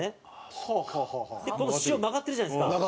でこの塩曲がってるじゃないですか。